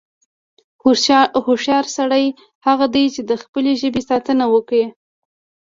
هوښیار سړی هغه دی، چې د خپلې ژبې ساتنه وکړي.